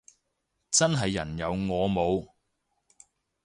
真係人有我冇